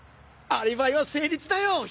アリバイは成立だよ！